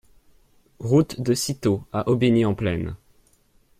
Route de Citeaux à Aubigny-en-Plaine